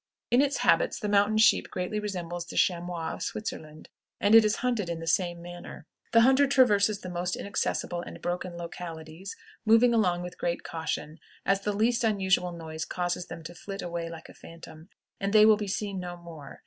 In its habits the mountain sheep greatly resembles the chamois of Switzerland, and it is hunted in the same manner. The hunter traverses the most inaccessible and broken localities, moving along with great caution, as the least unusual noise causes them to flit away like a phantom, and they will be seen no more.